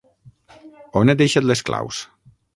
On he deixat les claus?